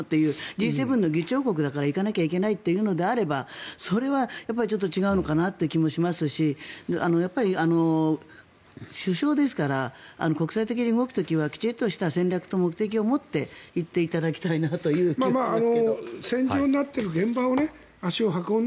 Ｇ７の議長国だから行かなきゃいけないというのであればそれはちょっと違うのかなという気もしますしやっぱり首相ですから国際的に動く時はきちんとした戦略と目的を持って行っていただきたいなという気がしますけど。